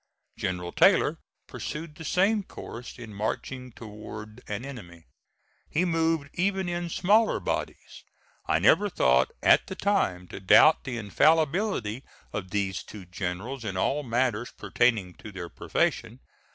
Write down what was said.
General Taylor pursued the same course in marching toward an enemy. He moved even in smaller bodies. I never thought at the time to doubt the infallibility of these two generals in all matters pertaining to their profession.